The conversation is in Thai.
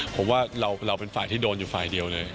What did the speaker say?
ผมว่าเราเป็นฝ่ายที่โดนอยู่ฝ่ายเดียวเลย